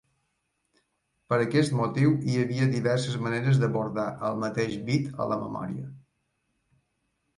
Per aquest motiu, hi havia diverses maneres d'abordar el mateix bit a la memòria.